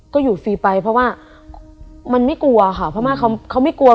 ก็อยู่ฟรีไปเพราะว่ามันไม่กลัวค่ะเพราะว่าเขาไม่กลัว